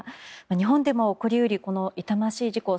日本でも起こり得る痛ましい事故。